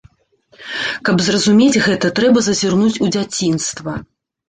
Каб зразумець гэта, трэба зазірнуць у дзяцінства.